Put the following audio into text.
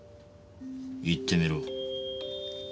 言ってみろ。